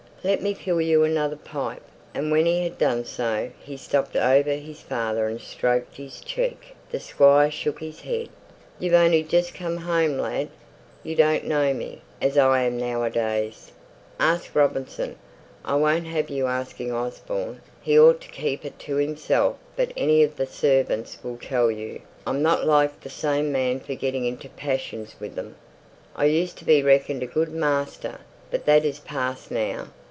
Let me fill you another pipe!" and when he had done so, he stooped over his father and stroked his cheek. The Squire shook his head. "You've only just come home, lad. You don't know me, as I am now a days! Ask Robinson I won't have you asking Osborne, he ought to keep it to himself but any of the servants will tell you I'm not like the same man for getting into passions with them. I used to be reckoned a good master, but that's past now!